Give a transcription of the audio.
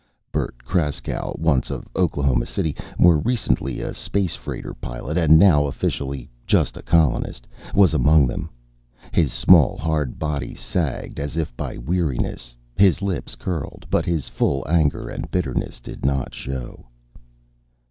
Bert Kraskow, once of Oklahoma City, more recently a space freighter pilot, and now officially just a colonist, was among them. His small, hard body sagged, as if by weariness. His lips curled. But his full anger and bitterness didn't show.